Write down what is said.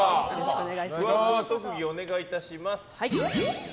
ふわふわ特技をお願いします。